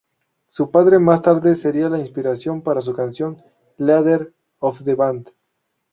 Su padre más tarde sería la inspiración para su canción "Leader of the band".